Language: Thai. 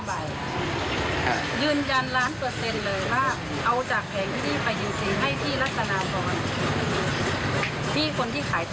ไบท์ค่ะยืนยันล้านพักเซ็นเลยถ้าเอาจากแผงที่ที่ไป